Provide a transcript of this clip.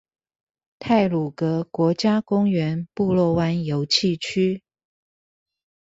太魯閣國家公園布洛灣遊憩區